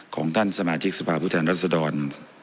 ของท่านสมาชิกสภาพุทธรรมรัฐสดร